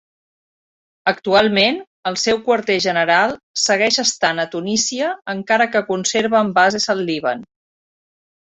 Actualment, el seu quarter general segueix estant a Tunísia, encara que conserven bases al Líban.